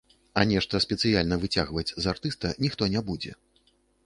А нешта спецыяльна выцягваць з артыста ніхто не будзе.